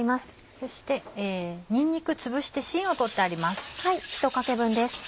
そしてにんにくつぶしてしんを取ってあります。